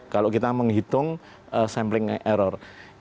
kalau kita menghitung sampling error